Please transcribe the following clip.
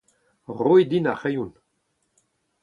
Roit din ar c'hreion.